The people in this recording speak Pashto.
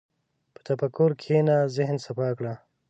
په تفکر کښېنه، ذهن صفا کړه.